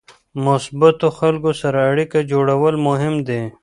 مثبتو خلکو سره اړیکه جوړول مهم دي.